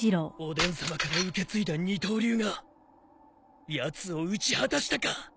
おでんさまから受け継いだ二刀流がやつを討ち果たしたか。